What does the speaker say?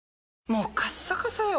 もうカッサカサよ